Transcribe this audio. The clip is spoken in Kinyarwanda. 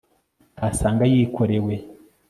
utasanga yikorewe